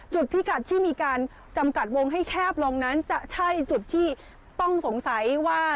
พิกัดที่มีการจำกัดวงให้แคบลงนั้นจะใช่จุดที่ต้องสงสัยว่า